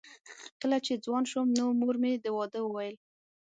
کله چې ځوان شوم نو مور مې د واده وویل